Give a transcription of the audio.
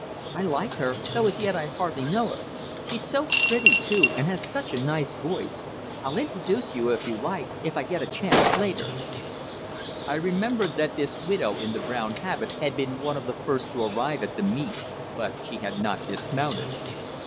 I like her, though as yet I hardly know her. She's so pretty, too, and has such a nice voice. I'll introduce you, if you like, if I get a chance later." I remembered that this widow in the brown habit had been one of the first to arrive at the meet, but she had not dismounted.